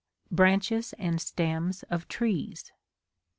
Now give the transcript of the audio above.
Branches and stems of Trees.